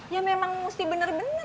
ya memang mesti benar benar